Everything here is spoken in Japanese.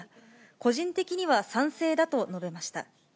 個人的には賛成だと述べました。